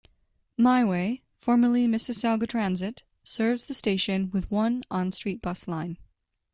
MiWay, formerly Mississauga Transit, serves the station with one on-street bus line.